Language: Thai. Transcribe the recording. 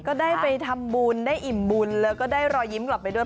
ก็ได้ไปทำบุญได้อิ่มบุญแล้วก็ได้รอยยิ้มกลับไปด้วย